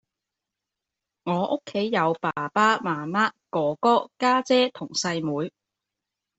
我屋企有爸爸媽媽，哥哥，家姐同細妹